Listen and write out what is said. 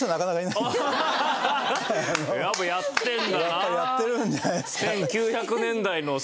やっぱやってるんじゃないですか。